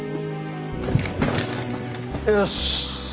よし！